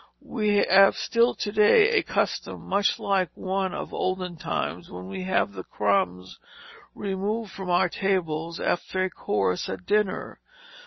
We have still to day a custom much like one of olden times, when we have the crumbs removed from our tables after a course at dinner.